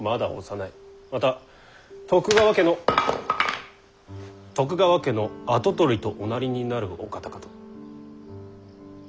また徳川家の徳川家の跡取りとおなりになるお方かと。